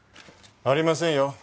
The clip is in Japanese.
ありませんよ。